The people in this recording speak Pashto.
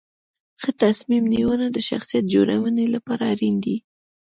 ښه تصمیم نیونه د شخصیت جوړونې لپاره اړین دي.